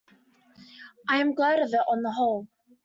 I am glad of it on the whole.